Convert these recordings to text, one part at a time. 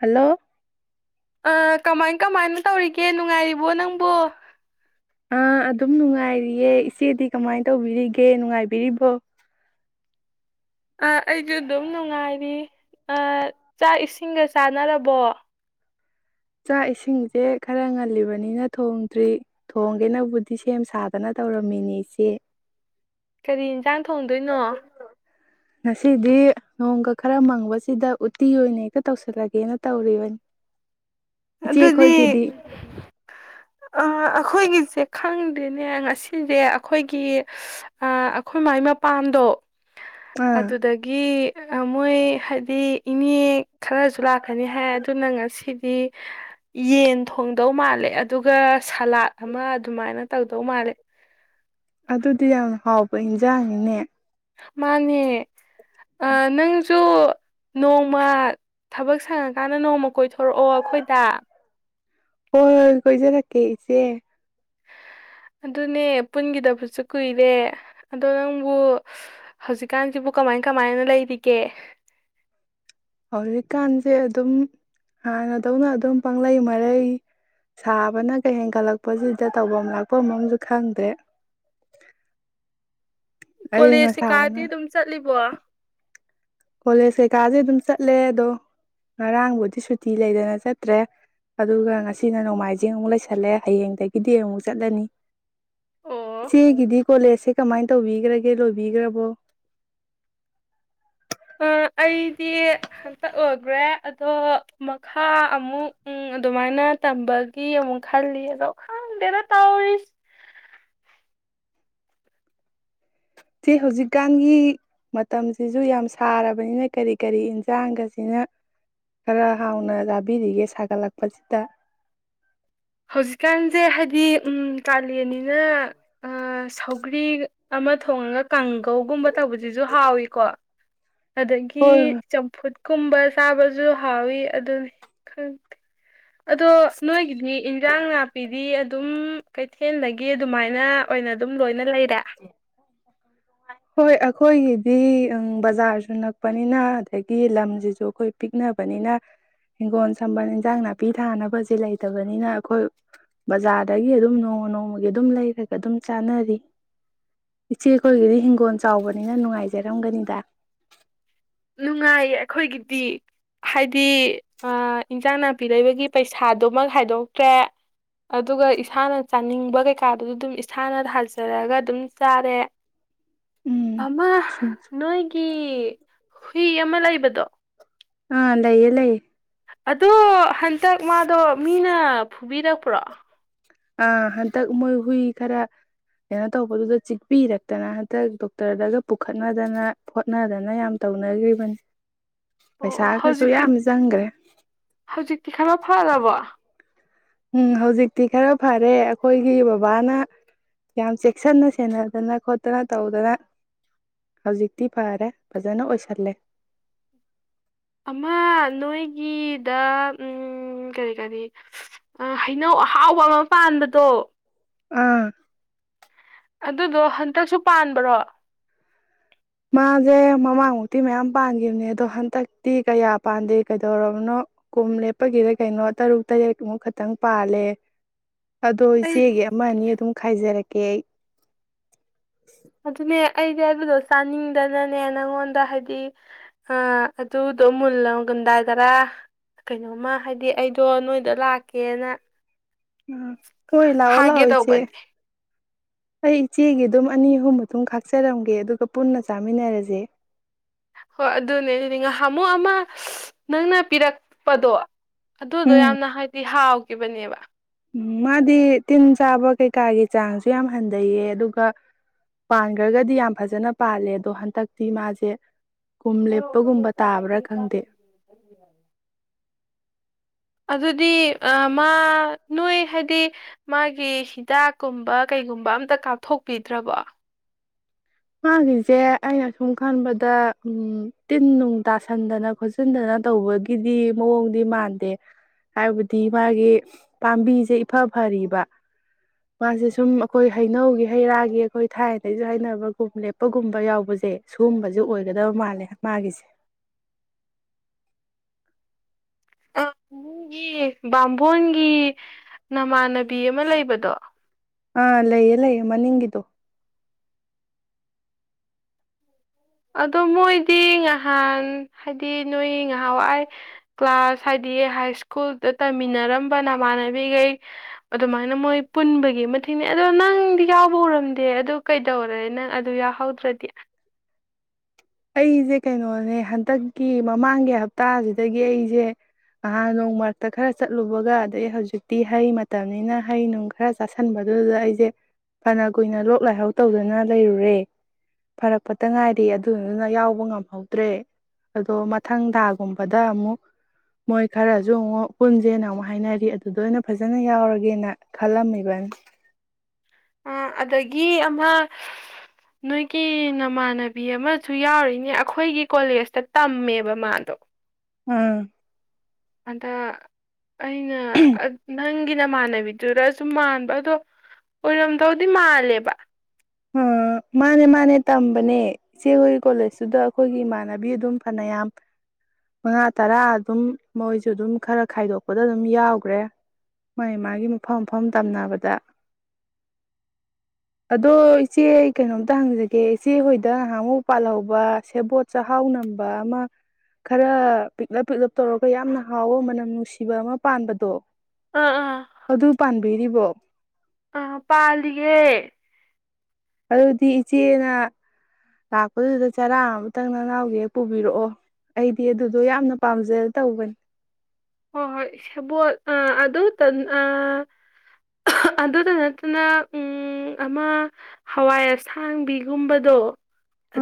hello ꯑ ꯀꯃꯥꯏ ꯀꯃꯥꯏꯅ ꯇꯧꯔꯤꯒꯦ ꯅꯨꯡꯉꯥꯏꯔꯤꯕꯣ ꯅꯪꯕꯨꯣ ꯑꯥ ꯑꯗꯨꯝ ꯅꯨꯡꯉꯥꯏꯔꯤꯌꯦ ꯏꯆꯦꯗꯤ ꯀꯃꯥꯏꯅ ꯇꯧꯕꯤꯔꯤꯒꯦ ꯅꯨꯡꯉꯥꯏꯕꯤꯔꯤꯕꯣ ꯑꯩꯁꯨ ꯑꯗꯨꯝ ꯅꯨꯡꯉꯥꯏꯔꯤ ꯆꯥꯛ ꯏꯁꯤꯡꯒ ꯆꯥꯟꯅꯔꯕꯣ ꯆꯥꯛ ꯏꯁꯤꯡꯁꯦ ꯈꯔ ꯉꯜꯂꯤꯕꯅꯤꯅ ꯊꯣꯡꯗ꯭ꯔꯤ ꯊꯣꯡꯒꯦꯅꯕꯨꯗꯤ ꯁꯦꯝ ꯁꯥꯗꯅ ꯇꯧꯔꯝꯃꯤꯅꯦ ꯏꯆꯦ ꯀꯔꯤ ꯏ ꯆ ꯊꯣꯡꯗꯣꯏꯅꯣ ꯉꯁꯤꯗꯤ ꯅꯣꯡꯒ ꯈꯔ ꯃꯪꯕꯁꯤꯗ ꯎꯠꯇꯤ ꯑꯣꯏꯅ ꯍꯦꯛꯇ ꯇꯧꯁꯤꯜꯂꯒꯦꯅ ꯇꯧꯔꯤꯕꯅꯤ ꯏꯆꯦ ꯑꯗꯨꯗꯤ ꯑꯩꯈꯣꯏꯒꯤꯗꯤ ꯑꯩꯈꯣꯏꯒꯤꯁꯦ ꯈꯪꯗꯦꯅꯦ ꯉꯁꯤꯁꯦ ꯑꯩꯈꯣꯏꯒꯤ ꯑꯩꯈꯣꯏ ꯃꯥꯏ ꯃꯄꯥꯟꯗꯣ ꯑꯥ ꯑꯗꯨꯗꯒꯤ ꯃꯣꯏ ꯍꯥꯏꯗꯤ ꯏꯅꯦ ꯈꯔꯁꯨ ꯂꯥꯛꯀꯅꯤ ꯍꯥꯏ ꯑꯗꯨꯅ ꯉꯁꯤꯗꯤ ꯌꯦꯟ ꯊꯣꯡꯗꯧ ꯃꯥꯜꯂꯦ ꯑꯗꯨꯒ ꯁꯂꯥꯠ ꯑꯃ ꯑꯗꯨꯃꯥꯏꯅ ꯇꯧꯗꯧ ꯃꯥꯜꯂꯦ ꯑꯗꯨꯗꯤ ꯌꯥꯝ ꯍꯥꯎꯕ ꯏꯟꯖꯥꯡꯅꯤꯅꯦ ꯃꯥꯅꯦ ꯅꯪꯁꯨ ꯅꯣꯡꯃ ꯊꯕꯛ ꯁꯪꯉꯀꯥꯟꯗ ꯅꯣꯡꯃ ꯀꯣꯏꯊꯣꯔꯛꯑꯣ ꯑꯩꯈꯣꯏꯗ ꯍꯣꯏ ꯍꯣꯏ ꯀꯁꯦ ꯊꯀꯦ ꯏꯆꯦ ꯑꯗꯨꯅꯦ ꯄꯨꯟꯈꯤꯗꯕꯁꯨ ꯀꯨꯏꯔꯦ ꯑꯗꯣ ꯅꯪꯕꯨ ꯍꯧꯖꯤꯛꯀꯥꯟꯁꯤꯕꯨ ꯀꯃꯥꯏ ꯀꯃꯥꯏꯅ ꯂꯩꯔꯤꯒꯦ ꯍꯧꯖꯤꯛꯀꯥꯟꯁꯦ ꯑꯗꯨꯝ ꯍꯥꯟꯅꯗꯧꯅ ꯑꯗꯨꯝ ꯄꯪꯂꯩ ꯃꯔꯩ ꯁꯥꯕꯅ ꯀꯩ ꯍꯦꯟꯒꯠꯂꯛꯄꯁꯤꯗ ꯇꯧꯐꯝ ꯂꯥꯛꯄꯝꯁꯨ ꯈꯪꯗꯦ ꯀꯣꯂꯦꯖ ꯀꯩꯀꯥꯗꯤ ꯑꯗꯨꯝ ꯆꯠꯂꯤꯕꯣ ꯀꯣꯂꯦꯖ ꯀꯩꯀꯥꯁꯦ ꯑꯗꯨꯝ ꯆꯠꯂꯦ ꯑꯗꯣ ꯉꯔꯥꯡꯕꯨꯗꯤ ꯁꯨꯇꯤ ꯂꯩꯗꯅ ꯆꯠꯇ꯭ꯔꯦ ꯑꯗꯨꯒ ꯉꯁꯤꯅ ꯅꯣꯡꯃꯥꯏꯖꯤꯡ ꯑꯃꯨꯛ ꯂꯩꯁꯜꯂꯦ ꯍꯌꯦꯡꯗꯒꯤꯗꯤ ꯑꯃꯨꯛ ꯆꯠꯂꯅꯤ ꯑꯣ ꯁꯤꯦꯒꯗꯤ ꯀꯣꯂꯦꯁꯦ ꯀꯃꯥꯏꯅ ꯇꯧꯕꯤꯈ꯭ꯔꯒꯦ ꯂꯣꯏꯕꯤꯈ꯭ꯔꯕꯣ ꯑ ꯑꯩꯗꯤ ꯍꯟꯇꯛ ꯑꯣꯏꯈ꯭ꯔꯦ ꯑꯗꯣ ꯃꯈꯥ ꯑꯃꯨꯛ ꯑꯗꯨꯃꯥꯏꯅ ꯇꯝꯕꯒꯤ ꯑꯃꯨꯛ ꯈꯜꯂꯤ ꯑꯗꯣ ꯈꯪꯗꯦꯅ ꯇꯥꯎꯔꯤꯁ ꯁꯤ ꯍꯧꯖꯤꯛꯀꯥꯟꯒꯤ ꯃꯇꯝꯁꯤꯁꯨ ꯌꯥꯝ ꯁꯥꯔꯕꯅꯤꯅ ꯀꯔꯤ ꯀꯔꯤ ꯏꯟꯁꯥꯡꯒꯁꯤꯅ ꯈꯔ ꯍꯥꯎꯅ ꯆꯥꯕꯤꯔꯤꯒꯦ ꯁꯥꯒꯠꯂꯛꯄꯁꯤꯗ ꯍꯧꯖꯤꯛꯀꯥꯟꯁꯦ ꯍꯥꯏꯗꯤ ꯀꯥꯂꯦꯟꯅꯤꯅ ꯁꯧꯒ꯭ꯔꯤ ꯑꯃ ꯊꯣꯡꯉꯒ ꯀꯥꯡꯒꯧꯒꯨꯝꯕ ꯇꯧꯕꯁꯤꯁꯨ ꯍꯥꯎꯏꯤꯀꯣ ꯑꯗꯒꯤ ꯍꯣꯏ ꯆꯝꯐꯨꯠ ꯀꯨꯝꯕ ꯆꯥꯕꯁꯨ ꯍꯥꯎꯋꯤ ꯑꯗꯨꯅꯤ ꯈꯪꯗꯦ ꯑꯗꯣ ꯅꯣꯏꯒꯤꯗꯤ ꯏꯟꯖꯥꯡ ꯅꯥꯄꯤꯗꯤ ꯑꯗꯨꯝ ꯀꯩꯊꯦꯜꯗꯒꯤ ꯑꯗꯨꯃꯥꯏꯅ ꯑꯣꯏꯅ ꯑꯗꯨꯝ ꯂꯣꯏꯅ ꯂꯩꯔꯦ ꯍꯣꯏ ꯑꯩꯈꯣꯏꯒꯤꯗꯤ ꯕꯖꯥꯔꯁꯨ ꯅꯛꯄꯅꯤꯅ ꯑꯗꯒꯤ ꯂꯝꯁꯤꯁꯨ ꯑꯩꯈꯣꯏ ꯄꯤꯛꯅꯕꯅꯤꯅ ꯍꯤꯡꯒꯣꯜ ꯁꯝꯕꯜ ꯏꯟꯖꯥꯡ ꯅꯥꯄꯤ ꯊꯥꯅꯕꯁꯦ ꯂꯩꯇꯕꯅꯤꯅ ꯑꯩꯈꯣꯏ ꯕꯖꯥꯔꯗꯒꯤ ꯑꯗꯨꯝ ꯅꯣꯡꯃ ꯅꯣꯡꯃꯒꯤ ꯑꯗꯨꯝ ꯂꯩꯔꯒ ꯑꯗꯨꯝ ꯆꯥꯅꯔꯤ ꯏꯆꯦꯈꯣꯏꯒꯤꯗꯤꯣꯜ ꯐꯣꯟ ꯆꯥꯎꯕꯅꯤꯅ ꯅꯨꯡꯉꯥꯏꯖꯔꯝꯒꯅꯤꯗ ꯅꯨꯡꯉꯥꯏꯌꯦ ꯑꯩꯈꯣꯏꯒꯤꯗꯤ ꯍꯥꯏꯗꯤ ꯏꯟꯁꯥꯡ ꯅꯥꯄꯤ ꯂꯩꯕꯒꯤ ꯄꯩꯁꯥꯗꯨꯃꯛ ꯍꯥꯏꯗꯣꯛꯇ꯭ꯔꯦ ꯑꯗꯨꯒ ꯏꯁꯥꯅ ꯆꯥꯅꯤꯡꯕ ꯀꯩꯀꯥꯗꯨꯗꯤ ꯑꯗꯨꯝ ꯏꯁꯥꯅ ꯊꯥꯖꯔꯒ ꯑꯗꯨꯝ ꯆꯥꯔꯦ ꯎꯝ ꯑꯃ ꯅꯣꯏꯣꯏꯒꯤ ꯍꯨꯏ ꯑꯃ ꯂꯩꯕꯗꯣ ꯑꯥ ꯂꯏ ꯂꯩꯦ ꯑꯗꯣ ꯍꯟꯇꯛ ꯃꯥꯗꯣ ꯃꯤꯅ ꯐꯨꯕꯤꯔꯛꯄ꯭ꯔꯣ ꯑꯥ ꯍꯟꯗꯛ ꯃꯣꯏ ꯍꯨꯏ ꯈꯔ ꯀꯩꯅꯣ ꯇꯧꯕꯗꯨꯗ ꯆꯤꯛꯄꯤꯔꯛꯇꯅ ꯍꯟꯗꯛ ꯗꯣꯛꯇꯔꯗꯒ ꯄꯨꯈꯠꯅꯗꯅ ꯍꯣꯠꯅꯗꯅ ꯌꯥꯝ ꯇꯧꯅꯈ꯭ꯔꯤꯕꯅꯤ ꯑꯣ ꯄꯩꯁꯥꯒꯁꯨ ꯍꯧꯖꯤꯛꯇꯤ ꯌꯥꯝ ꯆꯪꯈ꯭ꯔꯦ ꯍꯧꯖꯤꯛꯇꯤ ꯈꯔ ꯐꯔꯕꯣ ꯎꯝ ꯍꯧꯖꯤꯛꯇꯤ ꯈꯔ ꯐꯔꯦ ꯑꯩꯈꯣꯏꯒꯤ ꯕꯕꯥꯅ ꯌꯥꯝ ꯆꯦꯛꯁꯤꯟꯅ ꯁꯦꯟꯅꯗꯅ ꯈꯣꯠꯇꯅ ꯇꯧꯗꯅ ꯍꯧꯖꯤꯛꯇꯤ ꯐꯔꯦ ꯐꯖꯅ ꯑꯣꯏꯁꯜꯂꯦ ꯑ ꯗ ꯎꯝ ꯀꯔꯤ ꯀꯅꯤ ꯍꯩꯅꯧ ꯑꯍꯥꯎꯕ ꯑꯃ ꯄꯥꯟꯕꯗꯣ ꯎꯥ ꯑꯗꯨꯗꯣ ꯍꯟꯇꯛꯁꯨ ꯄꯥꯟꯕ꯭ꯔꯣ ꯃꯥꯁꯦ ꯃꯃꯥꯡꯃꯨꯛꯇꯤ ꯃꯌꯥꯝ ꯄꯥꯟꯈꯤꯕꯅꯦ ꯑꯗꯣ ꯍꯟꯗꯛꯇꯤ ꯀꯌꯥ ꯄꯥꯟꯗꯦ ꯀꯩꯗꯧꯔꯕꯅꯣ ꯀꯣꯨꯝ ꯂꯦꯞꯄꯒꯤꯗ ꯀꯩꯅꯣ ꯇꯔꯨꯛ ꯇꯔꯦꯠꯃꯨꯛ ꯈꯛꯇꯪ ꯄꯥꯜꯂꯦ ꯑꯗꯣ ꯑꯩ ꯏꯆꯦꯒꯤ ꯑꯃ ꯑꯅꯤ ꯑꯗꯨꯝ ꯈꯥꯏꯖꯔꯛꯀꯦ ꯀꯦꯛ ꯑꯗꯨ ꯑꯗꯨꯅꯦ ꯑꯩꯗꯤ ꯑꯩꯕꯗꯣ ꯆꯥꯅꯤꯡꯗꯅꯅꯦ ꯅꯪꯉꯣꯟꯗ ꯍꯥꯏꯗꯤ ꯑꯗꯨꯗꯣ ꯃꯨꯜ ꯂꯒꯟꯗꯥꯏꯗꯔꯥ ꯀꯩꯅꯣꯝꯃ ꯍꯥꯏꯗꯤ ꯑꯩꯗꯣ ꯅꯣꯏꯗ ꯂꯥꯛꯀꯦꯅ ꯎꯝ ꯑꯣꯏꯣꯏ ꯂ ꯑꯣꯂ ꯍꯥꯏꯒꯦ ꯍꯁꯦ ꯇꯧꯕꯅꯦ ꯑꯩ ꯏꯆꯦꯒꯤ ꯑꯗꯨꯝ ꯑꯅꯤ ꯑꯍꯨꯝ ꯃꯇꯨꯡ ꯈꯥꯛꯆꯔꯝꯒꯦ ꯑꯗꯨꯒ ꯄꯨꯟꯅ ꯆꯥꯃꯤꯟꯅꯔꯁꯦ ꯍꯣꯏ ꯑꯗꯨꯅꯦ ꯑꯗꯨꯗꯤ ꯉꯥꯏꯍꯥꯃꯨꯛ ꯑꯃ ꯅꯪꯅ ꯄꯤꯔꯛꯄꯗꯣ ꯑꯗꯨꯗꯣ ꯎꯝ ꯌꯥꯝꯅ ꯍꯥꯏꯗꯤ ꯍꯥꯎꯏ ꯕꯅꯤꯕ ꯎꯝ ꯃꯥꯗꯤ ꯇꯤꯟ ꯆꯥꯕ ꯀꯩꯀꯥꯒꯤ ꯆꯥꯡꯁꯨ ꯌꯥꯝ ꯍꯟꯊꯩꯌꯦ ꯑꯗꯨꯒ ꯄꯥꯟꯈ꯭ꯔꯒꯗꯤ ꯌꯥꯝ ꯐꯖꯅ ꯄꯥꯜꯂꯦ ꯑꯗꯣ ꯍꯟꯗꯛꯇꯤ ꯃꯥꯁꯦ ꯀꯨꯝ ꯂꯦꯞꯄꯒꯨꯝꯕ ꯇꯥꯕ꯭ꯔꯥ ꯈꯪꯗꯦ ꯑꯗꯨꯗꯤ ꯃꯥ ꯅꯣꯏ ꯍꯥꯏꯗꯤ ꯃꯥꯒꯤ ꯍꯤꯗꯥꯛꯀꯨꯝꯕ ꯀꯩꯒꯨꯝꯕ ꯑꯝꯇ ꯀꯥꯞꯊꯣꯛꯄꯤꯗ꯭ꯔꯕꯣ ꯃꯥꯒꯤꯁꯦ ꯑꯩꯅ ꯁꯨꯝ ꯈꯟꯕꯗ ꯎ ꯇꯤꯟ ꯅꯨꯡ ꯇꯥꯁꯟꯗꯅ ꯈꯣꯆꯤꯟꯗꯅ ꯇꯧꯕꯒꯤꯗꯤ ꯃꯑꯣꯡꯗꯤ ꯃꯥꯟꯗꯦ ꯍꯥꯏꯕꯗꯤ ꯃꯥꯒꯤ ꯄꯥꯝꯕꯤꯁꯦ ꯏꯐ ꯐꯔꯤꯕ ꯃꯥꯁꯦ ꯁꯨꯝ ꯑꯩꯈꯣꯏ ꯍꯩꯅꯧꯒꯤ ꯍꯩꯔꯥꯒꯤ ꯑꯩꯈꯣꯏ ꯊꯥꯏꯅꯗꯒꯤꯩꯁꯨ ꯍꯩꯅꯅꯕ ꯈꯣꯝ ꯂꯦꯞꯄꯒꯨꯝꯕ ꯌꯥꯎꯕꯁꯦ ꯁꯤꯒꯨꯝꯕꯁꯦ ꯑꯣꯏꯒꯗꯕ ꯃꯥꯜꯂꯦ ꯃꯥꯒꯤꯁꯦ ꯑ ꯏꯨꯡꯒꯤ ꯕꯥꯝꯕꯣꯟꯒꯤ ꯅꯃꯥꯟꯅꯕꯤ ꯕꯤ ꯑꯃ ꯂꯩꯕꯗꯣ ꯑꯥ ꯂꯩꯌꯦ ꯂꯩꯌꯦ ꯃꯅꯤꯡꯒꯤꯗꯣ ꯑꯗꯣ ꯃꯣꯏꯗꯤ ꯉꯍꯥꯟ ꯍꯥꯏꯗꯤ ꯅꯣꯏ ꯉꯍꯥꯟꯋꯥꯏ ꯀ꯭ꯂꯥꯁ ꯍꯥꯏꯗꯤ ꯍꯥꯏ ꯁ꯭ꯀꯨꯜꯗ ꯇꯝꯃꯤꯟꯅꯔꯝꯕ ꯅꯃꯥꯟꯅꯕꯤꯈꯩ ꯑꯗꯨꯃꯥꯏꯅ ꯃꯣꯏ ꯄꯨꯟꯕꯒꯤ ꯃꯛꯅꯦ ꯑꯗꯣ ꯅꯪꯗꯤ ꯌꯥꯎꯕ ꯎꯔꯝꯗꯦ ꯑꯗꯨ ꯀꯩꯗꯧꯔꯦ ꯅꯪ ꯑꯗꯨ ꯌꯥꯎꯍꯧꯗ꯭ꯔꯗꯤ ꯑꯩꯁꯦ ꯀꯩꯅꯣꯅꯦ ꯍꯟꯗꯛꯀꯤ ꯃꯃꯥꯡꯒꯤ ꯍꯞꯇꯥꯁꯤꯗꯒꯤ ꯑꯩꯁꯦ ꯅꯍꯥꯟ ꯅꯣꯡ ꯃꯔꯛꯇ ꯈꯔ ꯆꯠꯂꯨꯕꯒ ꯑꯗꯩ ꯍꯧꯖꯤꯛꯇꯤ ꯍꯩ ꯃꯇꯝꯅꯤꯅ ꯍꯩ ꯅꯨꯡ ꯈꯔ ꯆꯥꯥꯁꯟꯕꯗꯨꯗ ꯑꯩꯁꯦ ꯐꯅ ꯀꯨꯏꯅ ꯂꯣꯛ ꯂꯥꯏꯍꯥꯎ ꯇꯧꯗꯨꯅ ꯂꯩꯔꯨꯔꯦ ꯐꯔꯛꯄꯇ ꯉꯥꯏꯔꯤ ꯑꯗꯨꯗꯨꯅ ꯌꯥꯎꯕ ꯉꯝꯍꯧꯗ꯭ꯔꯦ ꯑꯗꯣ ꯃꯊꯪ ꯊꯥꯒꯨꯝꯕꯗ ꯑꯃꯨꯛ ꯃꯣꯏ ꯈꯔꯁꯨ ꯑꯃꯨꯛ ꯄꯨꯟꯁꯦꯅ ꯑꯃꯨꯛ ꯍꯥꯏꯅꯔꯤ ꯑꯗꯨꯗ ꯑꯣꯏꯅ ꯐꯖꯅ ꯌꯥꯎꯔꯒꯦꯅ ꯈꯜꯂꯝꯃꯤꯕꯅꯤ ꯑ ꯑꯗꯒꯤ ꯑꯃ ꯅꯣꯏꯒꯤ ꯅꯃꯥꯟꯅꯕꯤ ꯑꯃꯁꯨ ꯌꯥꯎꯔꯤꯅꯦ ꯑꯩꯈꯣꯏꯒꯤ ꯀꯣꯂꯦꯖꯇ ꯇꯝꯃꯦꯕ ꯃꯥꯗꯣ ꯎꯝ ꯍꯟꯗꯛ ꯑꯩꯅ ꯅꯪ ꯒꯤꯅꯃꯥꯟꯅꯕꯤꯗꯨꯔꯁꯨ ꯃꯥꯟꯕ ꯑꯗꯣ ꯑꯣꯏꯔꯝꯗꯧꯗꯤ ꯃꯥꯜꯂꯦꯕ ꯑꯥ ꯃꯥꯅꯦ ꯃꯥꯅꯦ ꯇꯝꯕꯅꯦ ꯏꯆꯦ ꯍꯣꯏ ꯀꯣꯂꯦꯖꯇꯨꯗ ꯑꯩꯈꯣꯏꯒꯤ ꯏꯃꯥꯟꯅꯕꯤ ꯑꯗꯨꯝ ꯐꯅꯌꯥꯝ ꯃꯉꯥ ꯇꯔꯥ ꯑꯗꯨꯝ ꯃꯣꯏꯁꯨ ꯑꯗꯨꯝ ꯈꯔ ꯈꯥꯏꯗꯣꯛꯄꯗ ꯑꯗꯨꯝ ꯌꯥꯎꯈ꯭ꯔꯦ ꯃꯥꯒꯤ ꯃꯥꯒꯤ ꯃꯐꯝ ꯃꯐꯝ ꯇꯝꯅꯕꯗ ꯑꯗꯣ ꯏꯆꯦ ꯀꯩꯅꯣꯝꯇ ꯍꯪꯖꯒꯦ ꯏꯆꯦ ꯍꯣꯏꯗ ꯉꯍꯥꯟꯃꯨꯛ ꯄꯥꯜꯍꯧꯕ ꯁꯦꯕꯣꯠ ꯆꯥꯛꯍꯥꯎ ꯅꯝꯕ ꯑꯃ ꯈꯔ ꯄꯤꯛꯂꯞ ꯄꯤꯛꯂꯞ ꯇꯧꯔꯒ ꯌꯥꯝꯅ ꯍꯥꯎꯕ ꯃꯅꯝ ꯅꯨꯡꯁꯤꯕ ꯑꯃ ꯄꯥꯟꯕꯗꯣ ꯑꯥ ꯑꯥ ꯑꯗꯨ ꯄꯥꯟꯕꯤꯔꯤꯕꯣ ꯑꯥ ꯄꯥꯜꯂꯤꯒꯦ ꯑꯗꯨꯗꯤ ꯏꯆꯦꯅ ꯂꯥꯛꯄꯗꯨꯗ ꯆꯔꯥ ꯑꯃꯇꯪ ꯅꯅꯥꯎꯒꯤ ꯍꯦꯛ ꯄꯨꯕꯤꯔꯛꯑꯣ ꯑꯩꯗꯤ ꯑꯗꯨꯗꯣ ꯌꯥꯝꯅ ꯄꯥꯝꯖ ꯇꯧꯕꯅꯦ ꯍꯣꯏ ꯍꯣꯏ ꯁꯕꯣꯜ ꯑ ꯑꯗꯨ ꯇ ꯑ ꯑꯗꯨꯗ ꯅꯠꯇꯅ ꯎꯝ ꯑꯃ ꯍꯋꯥꯏ ꯑꯁꯥꯡꯕꯤꯒꯨꯝꯕꯗꯣ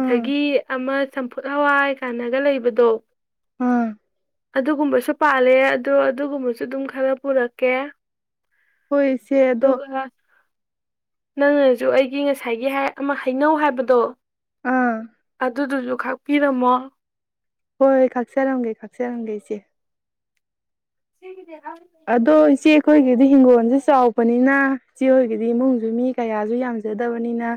ꯑꯥ ꯑꯃ ꯆꯝꯐꯨꯠ ꯍꯋꯥꯏ ꯀꯥꯟꯅꯒ ꯂꯩꯕꯗꯣ ꯑꯥ ꯑꯗꯨꯒꯨꯝꯕꯁꯨ ꯄꯥꯜꯂꯦ ꯑꯗꯣ ꯑꯗꯨꯒꯨꯝꯕꯁꯨ ꯑꯗꯨꯝ ꯈꯔ ꯄꯨꯔꯛꯀꯦ ꯍꯣꯏꯁꯦꯗꯣ ꯑꯗꯨꯒ ꯅꯪꯅꯁꯨ ꯑꯩꯒꯤ ꯉꯁꯥꯏꯒꯤ ꯑꯃ ꯍꯩꯅꯧ ꯍꯥꯏꯕꯗꯣ ꯑꯥ ꯑꯗꯨꯗꯨꯖꯨ ꯈꯥꯛꯄꯤꯔꯝꯃꯣ ꯍꯣꯏ ꯍꯣꯏ ꯀꯥꯛꯆꯔꯝꯒꯦ ꯀꯥꯛꯆꯔꯝꯒꯦ ꯏꯆꯦ ꯁꯤꯦꯡꯒꯗꯔ ꯑꯗꯣ ꯏꯆꯦꯈꯣꯏꯒꯤꯗꯤ ꯍꯤꯡꯒꯣꯜꯁꯦ ꯆꯥꯎꯕꯅꯤꯅ ꯏꯆꯦ ꯍꯣꯏꯒꯤꯗꯤ ꯏꯃꯨꯡꯁꯨ ꯃꯤ ꯀꯌꯥꯁꯨ ꯌꯥꯝꯖꯗꯕꯅꯤꯅ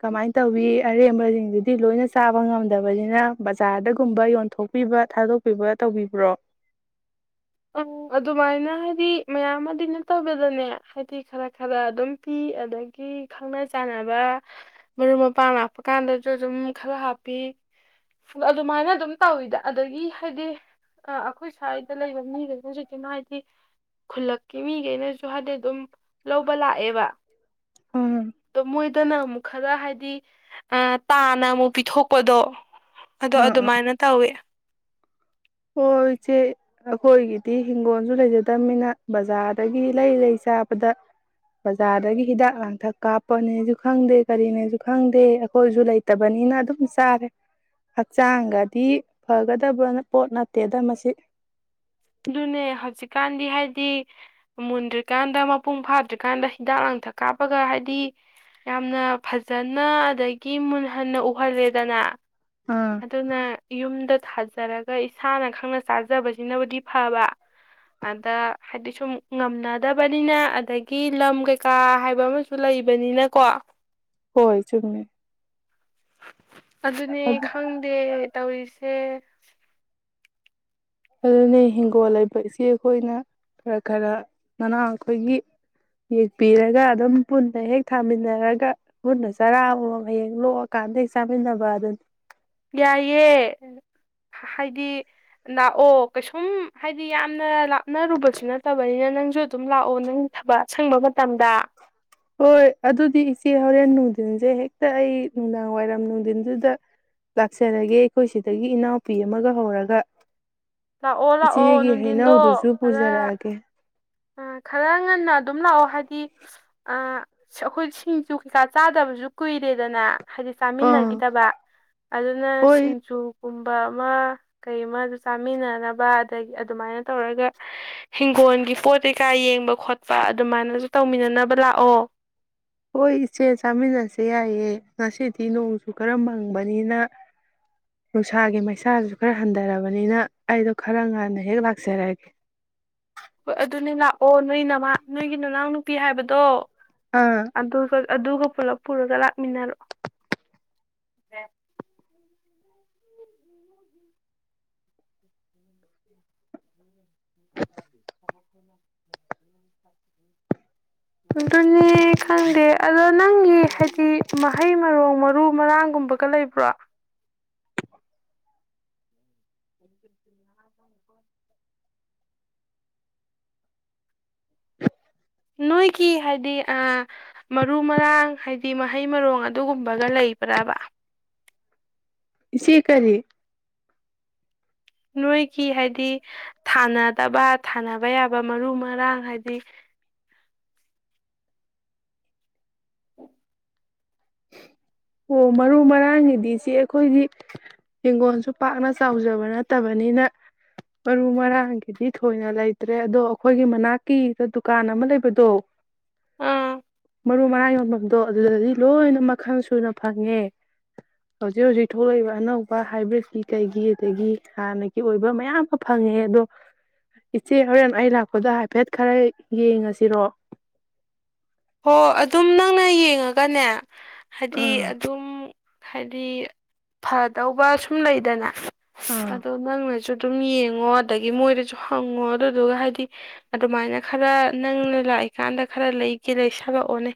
ꯀꯃꯥꯏꯅ ꯇꯧꯋ ꯑꯔꯦꯝꯕꯁꯤꯡꯗꯨꯗꯤ ꯂꯣꯏꯅ ꯆꯥꯕ ꯉꯝꯗꯕꯅꯤꯅ ꯕꯖꯥꯔꯗꯒꯨꯝꯕ ꯌꯣꯟꯊꯣꯛꯄꯤꯕ ꯊꯥꯗꯣꯛꯄꯤꯕ ꯇꯧꯕꯤꯕ꯭ꯔꯣ ꯑ ꯑꯗꯨꯃꯥꯏꯅ ꯍꯥꯏꯗꯤ ꯃꯌꯥꯝ ꯑꯃꯗꯤ ꯅꯠꯇꯧꯕꯗꯅꯦ ꯍꯥꯏꯗꯤ ꯈꯔ ꯈꯔ ꯑꯗꯨꯝ ꯄꯤ ꯑꯗꯒꯤ ꯈꯪꯅ ꯆꯥꯟꯅꯕ ꯃꯔꯨꯞ ꯃꯄꯥꯡ ꯂꯥꯛꯄ ꯀꯥꯟꯗꯁꯨ ꯑꯗꯨꯝ ꯈꯔ ꯍꯥꯞꯄꯤ ꯑꯗꯨꯃꯥꯏꯅ ꯑꯗꯨꯝ ꯇꯧꯋꯤꯗ ꯑꯗꯒꯤ ꯍꯥꯏꯗꯤ ꯑꯩꯈꯣꯏ ꯁ꯭ꯋꯥꯏꯗ ꯂꯩꯕ ꯃꯤꯈꯩꯅꯁꯨ ꯀꯩꯅꯣ ꯍꯥꯏꯗꯤ ꯈꯨꯜꯂꯛꯀꯤ ꯃꯤꯈꯩꯅꯁꯨ ꯍꯥꯏꯗꯤ ꯑꯗꯨꯝ ꯂꯧꯕ ꯂꯥꯛ ꯑꯦꯕꯥ ꯎꯝ ꯃ ꯏꯗꯅ ꯈꯔ ꯍꯥꯏꯗꯤ ꯑ ꯇꯥꯅ ꯑꯃꯨꯛ ꯄꯤꯊꯣꯛꯄꯗꯣ ꯑꯗꯣ ꯎꯝ ꯎꯝ ꯑꯗꯨꯃꯥꯏꯅ ꯇꯧꯋꯦ ꯍꯣꯏ ꯏꯆꯦ ꯑꯩꯈꯣꯏꯒꯤꯗꯤ ꯍꯤꯡꯒꯣꯜꯁꯨ ꯂꯩꯖꯗꯕꯅꯤꯅ ꯕꯖꯥꯔꯗꯒꯤ ꯂꯩ ꯂꯩ ꯆꯥꯕꯗ ꯕꯖꯥꯔꯗꯒꯤ ꯍꯤꯗꯥꯛ ꯂꯥꯡꯊꯛ ꯀꯥꯞꯄꯅꯦꯁꯨ ꯈꯪꯗꯦ ꯀꯔꯤꯅꯦꯁꯨ ꯈꯪꯗꯦ ꯑꯩꯈꯣꯏꯁꯨ ꯂꯩꯇꯕꯅꯤꯅ ꯑꯗꯨꯝ ꯆꯥꯔꯦ ꯍꯛꯆꯥꯡꯒꯗꯤ ꯐꯒꯗꯕꯅ ꯄꯣꯠ ꯅꯠꯇꯦꯗ ꯃꯁꯤ ꯑꯗꯨꯅꯦ ꯍꯧꯖꯤꯛꯀꯥꯟꯗꯤ ꯍꯥꯏꯗꯤ ꯃꯨꯟꯗ꯭ꯔꯤꯀꯥꯟꯗ ꯃꯄꯨꯡ ꯐꯥꯗ꯭ꯔꯤꯀꯥꯟꯗ ꯍꯤꯗꯥꯛ ꯂꯥꯡꯊꯛ ꯀꯥꯞꯄꯒ ꯍꯥꯏꯗꯤ ꯌꯥꯝꯅ ꯐꯖꯅ ꯑꯗꯒꯤ ꯃꯨꯟꯍꯟꯅ ꯎꯍꯜꯂꯦꯗꯅ ꯑꯥ ꯑꯗꯨꯅ ꯌꯨꯝꯗ ꯊꯥꯖꯔꯒ ꯏꯁꯥꯅ ꯈꯪꯅ ꯆꯥꯖꯕꯁꯤꯅꯕꯨꯗꯤ ꯐꯕ ꯑꯗ ꯍꯥꯏꯗꯤ ꯁꯨꯝ ꯉꯝꯅꯗꯕꯅꯤꯅ ꯑꯗꯒꯤ ꯂꯝ ꯀꯩꯀꯥ ꯍꯥꯏꯕ ꯑꯃꯁꯨ ꯂꯩꯕꯅꯤꯅꯀꯣ ꯍꯣꯏ ꯆꯨꯝꯃꯦ ꯑꯗꯨꯅꯦ ꯈꯪꯗꯦ ꯇꯧꯔꯤꯁꯦ ꯑꯗꯨꯅꯤ ꯍꯤꯡꯒꯣꯜ ꯂꯩꯕꯛꯁꯤ ꯑꯩꯈꯣꯏꯅ ꯈꯔ ꯈꯔ ꯅꯅꯥꯥꯡ ꯑꯩꯈꯣꯏꯒꯤ ꯌꯦꯛꯄꯤꯔꯒ ꯑꯗꯨꯝ ꯄꯨꯟꯅ ꯍꯦꯛ ꯊꯥꯃꯤꯟꯅꯔꯒ ꯃꯟꯅ ꯆꯔꯥ ꯑꯃꯃꯝ ꯍꯌꯦꯡ ꯂꯣꯛꯑꯀꯥꯟꯗ ꯍꯦꯛ ꯆꯥꯃꯤꯟꯅꯕ ꯑꯗꯨꯅꯤ ꯌꯥꯏꯌꯦꯦ ꯍꯥꯏꯗꯤ ꯂꯥꯛꯑꯣ ꯀꯩꯁꯨꯝ ꯍꯥꯏꯗꯤ ꯌꯥꯝꯅ ꯂꯥꯞꯅꯔꯨꯕꯁꯨ ꯅꯠꯇꯕꯅꯤꯅ ꯅꯪꯁꯨ ꯑꯗꯨꯝ ꯂꯥꯛꯑꯣ ꯅꯪ ꯊꯕꯛ ꯑꯁꯪꯕ ꯃꯇꯝꯗ ꯍꯣꯏ ꯑꯗꯨꯗꯤ ꯏꯆꯦ ꯍꯣꯔꯦꯟ ꯅꯨꯡꯊꯤꯟꯁꯦ ꯍꯦꯛꯇ ꯑꯩ ꯅꯨꯡꯗꯥꯡ ꯋꯥꯏꯔꯝ ꯅꯨꯡꯊꯤꯟꯗꯨꯗ ꯂꯥꯛꯆꯔꯒꯦ ꯑꯩꯈꯣꯏ ꯁꯤꯗꯒꯤ ꯏꯅꯥꯎꯄꯤ ꯑꯃꯒ ꯍꯧꯔꯒ ꯂꯥꯛꯑꯣ ꯂꯥꯛꯑꯣ ꯏꯆꯦꯒꯤ ꯅꯨꯡꯊꯤꯟꯗꯣ ꯍꯩꯅꯧꯗꯨꯁꯨ ꯈꯗ ꯄꯨꯖꯔꯛꯑꯒꯦ ꯈꯔ ꯉꯟꯅ ꯑꯗꯨꯝ ꯂꯥꯛꯑꯣ ꯍꯥꯏꯗꯤ ꯑꯩꯈꯣꯏ ꯁꯤꯡꯖꯨ ꯀꯩꯀꯥ ꯆꯥꯗꯕꯁꯨ ꯀꯨꯏꯔꯦꯗꯅꯦ ꯍꯥꯏꯗꯤ ꯑꯥ ꯆꯥꯃꯤꯟꯅꯈꯤꯗꯕ ꯑꯗꯨꯅ ꯍꯣꯏ ꯁꯤꯡꯖꯨ ꯨꯝꯕ ꯑꯃ ꯀꯩꯃ ꯑꯗꯨ ꯆꯥꯃꯤꯟꯅꯅꯕ ꯑꯗꯒꯤ ꯑꯗꯨꯃꯥꯏꯅ ꯇꯧꯔꯒ ꯍꯤꯡꯒꯣꯜꯒꯤ ꯄꯣꯠ ꯀꯩꯀꯥ ꯌꯦꯡꯕ ꯈꯣꯠꯄ ꯑꯗꯨꯃꯥꯏꯅꯁꯨ ꯇꯧꯃꯤꯟꯅꯅꯕ ꯂꯥꯛꯑꯣ ꯍꯣꯏ ꯏꯆꯦ ꯆꯥꯃꯤꯟꯅꯁꯦ ꯌꯥꯏꯌꯦ ꯉꯁꯤꯗꯤ ꯅꯣꯡꯁꯨ ꯈꯔ ꯃꯪꯕꯅꯤꯅ ꯅꯨꯡꯁꯥꯒꯤ ꯃꯩꯁꯥꯁꯨ ꯈꯔ ꯍꯟꯊꯔꯕꯅꯤꯅ ꯑꯩꯗꯣ ꯈꯔ ꯉꯥꯟꯟꯅ ꯍꯦꯛ ꯂꯥꯛꯆꯔꯒꯦ ꯍꯣꯏ ꯑꯗꯨꯅꯦ ꯂꯥꯛꯑꯣ ꯅꯣꯏ ꯅꯃ ꯅꯣꯏꯒꯤ ꯅꯅꯥꯎ ꯅꯨꯄꯤ ꯍꯥꯏꯕꯗꯣ ꯑꯥ ꯑꯗꯨ ꯑꯗꯨ ꯑꯗꯨ ꯑꯗꯨꯒ ꯄꯨꯂꯞ ꯄꯨꯔꯒ ꯂꯥꯛꯃꯤꯟꯅꯔꯣ [unintelligible] ꯅ [unintelligible] ꯑꯗꯨꯅꯦ ꯈꯪꯗꯦ ꯑꯗꯣ ꯅꯪꯒꯤ ꯍꯥꯏꯗꯤ ꯃꯍꯩ ꯃꯔꯣꯡ ꯃꯔꯨ ꯃꯔꯥꯡꯒꯨꯝꯕꯒ ꯂꯩꯕ꯭ꯔꯣ [unintelligible] ꯅꯣꯏꯒꯤ ꯍꯥꯏꯗꯤ ꯃꯔꯨ ꯃꯔꯥꯡ ꯍꯥꯏꯗꯤ ꯃꯍꯩ ꯃꯔꯣꯡ ꯑꯗꯨꯒꯨꯝꯕꯒ ꯂꯩꯕ꯭ꯔꯕ ꯁꯤ ꯀꯔꯤꯔꯤ ꯅꯣꯏꯒꯤ ꯍꯥꯏꯗꯤ ꯊꯥꯅꯗꯕ ꯊꯥꯅꯕ ꯌꯥꯕ ꯃꯔꯨ ꯃꯔꯥꯡ ꯍꯥꯏꯗꯤ ꯑꯣ ꯃꯔꯨ ꯃꯔꯥꯡꯒꯤꯗꯤ ꯆꯦ ꯑꯩꯈꯣꯏꯗꯤ ꯍꯤꯡꯒꯣꯟꯁꯨ ꯄꯥꯛꯅ ꯆꯥꯎꯖꯕ ꯅꯠꯇꯕꯅꯤꯅ ꯃꯔꯨ ꯃꯔꯥꯡꯒꯤꯗꯤ ꯊꯣꯏꯅ ꯂꯩꯇ꯭ꯔꯦ ꯑꯗꯣ ꯑꯩꯈꯣꯏꯒꯤ ꯃꯅꯥꯛꯀꯤꯗ ꯗꯨꯀꯥꯟ ꯑꯃ ꯂꯩꯕꯗꯣ ꯑꯥ ꯃꯔꯨ ꯃꯔꯥꯡ ꯌꯣꯟꯐꯝꯗꯣ ꯑꯗꯨꯗꯗꯤ ꯂꯣꯏꯅ ꯃꯈꯜ ꯁꯨꯅ ꯐꯪꯉꯦ ꯍꯧꯖꯤꯛ ꯍꯧꯖꯤꯛ ꯊꯣꯛꯂꯛꯏꯕ ꯑꯅꯧꯕ ꯍꯥꯏꯕ꯭ꯔꯤꯠꯀꯤ ꯀꯩꯒꯤ ꯑꯗꯒꯤ ꯍꯥꯟꯅꯒꯤ ꯑꯣꯏꯕ ꯃꯌꯥꯝ ꯑꯃ ꯐꯪꯉꯦ ꯑꯗꯣ ꯏꯆꯦ ꯍꯣꯔꯦꯟ ꯑꯩ ꯂꯥꯛꯄꯗ ꯍꯥꯏꯐꯦꯠ ꯈꯔ ꯌꯦꯡꯉꯁꯤꯔꯣ ꯍꯣ ꯑꯗꯨꯝ ꯅꯪꯅ ꯌꯦꯡꯉꯒꯅꯦ ꯍꯥꯏꯗꯤ ꯑꯥ ꯑꯗꯨꯝ ꯍꯥꯏꯗꯤ ꯐꯗꯧꯕ ꯁꯨꯝ ꯂꯩꯗꯅ ꯑꯥ ꯑꯗ ꯅꯪꯅꯁꯨ ꯑꯗꯨꯝ ꯌꯦꯡꯉꯣ ꯑꯗꯒꯤ ꯃꯣꯏꯗꯁꯨ ꯍꯪꯉꯣ ꯑꯗꯨꯗꯨꯒ ꯍꯥꯏꯗꯤ ꯑꯗꯨꯃꯥꯏꯅ ꯈꯔ ꯅꯪꯅ ꯂꯥꯛꯏꯀꯥꯟꯗ ꯈꯔ ꯂꯩ ꯀꯦꯂꯩ ꯁꯥꯕ ꯑꯣꯅꯤ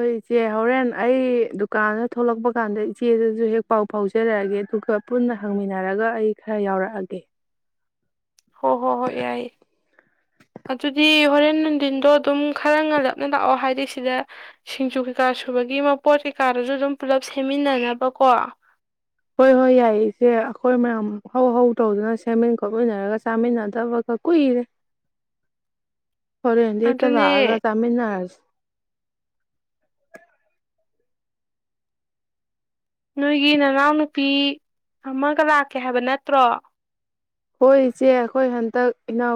ꯑꯩꯈꯣꯏ ꯏꯆꯦ ꯍꯣꯔꯦꯟ ꯑꯩ ꯗꯨꯀꯥꯟꯗ ꯊꯣꯛꯂꯛꯄ ꯀꯥꯟꯗ ꯏꯆꯦꯗꯁꯨ ꯍꯦꯛ ꯄꯥꯎ ꯐꯥꯎꯖꯔꯛꯑꯒꯦ ꯑꯗꯨꯒ ꯄꯨꯟꯅ ꯍꯪꯃꯤꯟꯅꯔꯒ ꯑꯩ ꯈꯔ ꯌꯥꯎꯔꯛꯑꯒꯦ ꯍꯣꯏ ꯍꯣꯏ ꯍꯣꯏ ꯌꯥꯏ ꯑꯗꯨꯗꯤ ꯍꯣꯔꯦꯟ ꯅꯨꯡꯊꯤꯟꯗꯣ ꯑꯗꯨꯝ ꯈꯔ ꯉꯂꯞꯅ ꯂꯥꯛꯑꯣ ꯍꯥꯏꯗꯤ ꯁꯤꯗ ꯁꯤꯡꯖꯨ ꯀꯩꯀꯥ ꯁꯨꯕꯒꯤ ꯃ ꯄꯣꯠ ꯀꯩꯀꯥꯗꯨꯁꯨ ꯑꯗꯨꯝ ꯄꯨꯜꯂꯞ ꯁꯦꯝꯃꯤꯟꯅꯅꯕꯀꯣ ꯍꯣꯏ ꯍꯣꯏ ꯌꯥꯏ ꯏꯆꯦ ꯑꯩꯈꯣꯏ ꯃꯌꯥꯝ ꯍꯧ ꯍꯧ ꯇꯧꯗꯨꯅ ꯁꯦꯝꯃꯤꯟ ꯈꯣꯠꯃꯤꯟꯅꯔꯒ ꯆꯥꯃꯤꯟꯅꯗꯕꯒ ꯀꯨꯏꯔꯦ ꯍꯣꯔꯦꯟꯗꯤ ꯍꯦꯛꯇ ꯑꯗꯨꯅꯦ ꯂꯥꯛꯑꯒ ꯆꯥꯃꯤꯟꯅꯔꯁꯤ [unintelligible] ꯅꯣꯏꯒꯤ ꯅꯅꯥꯎꯅꯨꯄꯤ ꯑꯃꯒ ꯂꯥꯛꯀꯦ ꯍꯥꯏꯕ ꯅꯠꯇ꯭ꯔꯣ ꯍꯣꯏ ꯏꯆꯦ ꯑꯩꯈꯣꯏ ꯍꯟꯗꯛ ꯏꯅꯥꯎ